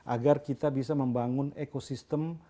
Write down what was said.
agar kita bisa membangun ekosistem